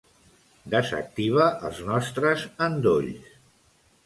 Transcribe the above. Desactiva els nostres endolls.